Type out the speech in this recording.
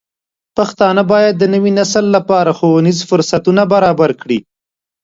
پښتانه بايد د نوي نسل لپاره ښوونیز فرصتونه برابر کړي.